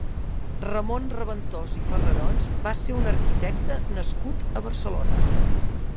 Ramon Reventós i Farrarons va ser un arquitecte nascut a Barcelona.